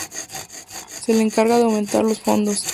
Se les encarga de aumentar los fondos.